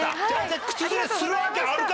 靴擦れするわけあるか！